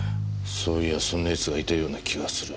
そういやそんな奴がいたような気がする。